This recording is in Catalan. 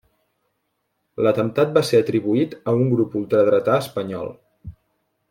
L'atemptat va ser atribuït a un grup ultradretà espanyol.